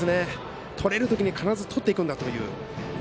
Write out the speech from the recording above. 取れるときに必ず取っていくんだという。